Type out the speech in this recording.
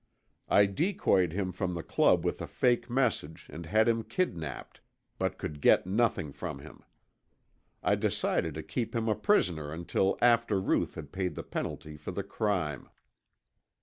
I decoyed him from the club with a fake message and had him kidnapped, but could get nothing from him. I decided to keep him a prisoner until after Ruth had paid the penalty for the crime.